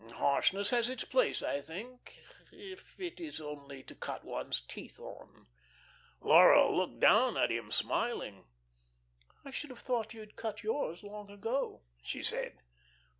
Harshness has its place, I think, if it is only to cut one's teeth on." Laura looked down at him, smiling. "I should have thought you had cut yours long ago," she said.